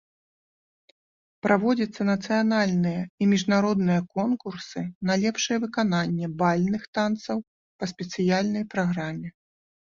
Праводзяцца нацыянальныя і міжнародныя конкурсы на лепшае выкананне бальных танцаў па спецыяльнай праграме.